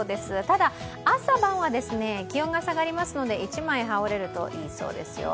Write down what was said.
ただ、朝晩は気温が下がりますので１枚羽織れるといいそうですよ。